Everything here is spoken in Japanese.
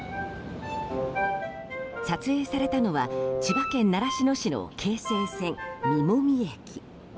撮影されたのは千葉県習志野市の京成線実籾駅。